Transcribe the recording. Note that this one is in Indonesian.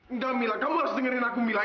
enggak mila kamu harus dengerin aku mila